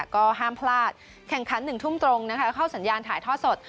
ก็ห้ามพลาดแข่งขัน๑ทุ่มตรงนะคะเข้าสัญญาณถ่ายทอดสด